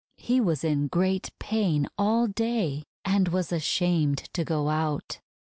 He was in great pain all day, and was ashamed to go out.